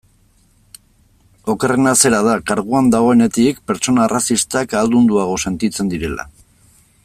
Okerrena zera da, karguan dagoenetik, pertsona arrazistak ahaldunduago sentitzen direla.